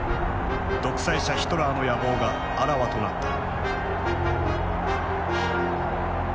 独裁者ヒトラーの野望があらわとなった。